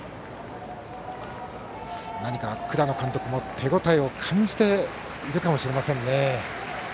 何か倉野監督も手応えを感じているかもしれませんね。